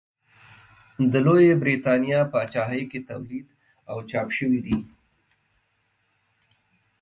د لویې برېتانیا پاچاهۍ کې تولید او چاپ شوي دي.